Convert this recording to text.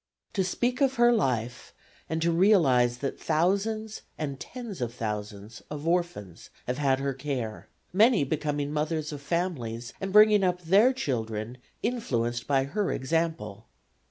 To speak of her life and to realize that thousands and tens of thousands of orphans have had her care, many becoming mothers of families and bringing up their children influenced by her example.